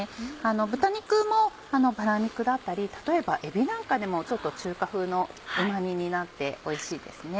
豚肉もバラ肉だったり例えばエビなんかでも中華風のうま煮になっておいしいです。